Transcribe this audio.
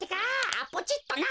あっポチっとな。